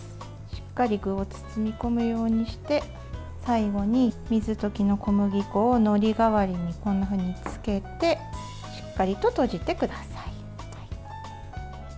しっかり具を包み込むようにして最後に、水溶きの小麦粉をのり代わりにこんなふうにつけてしっかりと閉じてください。